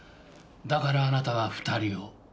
だからあなたは２人を。